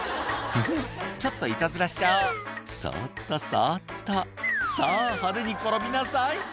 「フフっちょっといたずらしちゃおう」「そっとそっとさぁ派手に転びなさい」